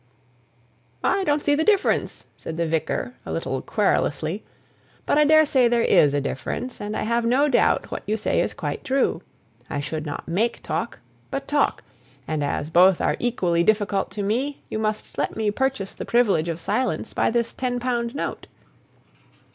"I don't see the difference," said the vicar, a little querulously; "but I daresay there is a difference, and I have no doubt what you say is quite true. I shouldn't make talk, but talk; and as both are equally difficult to me, you must let me purchase the privilege of silence by this ten pound note."